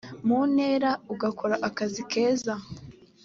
mu ntera ugakora akazi keza